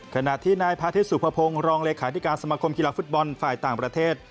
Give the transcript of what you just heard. ขณะที่นายพาทิตยสุภพงศ์รองเลขาธิการสมคมกีฬาฟุตบอลฝ่ายต่างประเทศ